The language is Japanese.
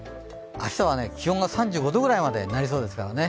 明日は気温が３５度ぐらいにまでなりそうですかね。